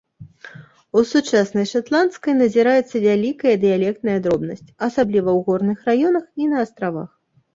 У сучаснай шатландскай назіраецца вялікая дыялектная дробнасць, асабліва ў горных раёнах і на астравах.